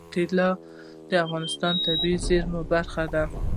طلا د افغانستان د طبیعي زیرمو برخه ده.